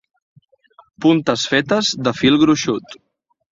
Puntes fetes de fil gruixut.